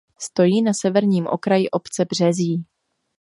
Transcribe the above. Stojí na severním okraji obce Březí.